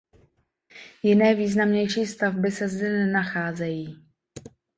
Jiné významnější stavby se zde nenacházejí.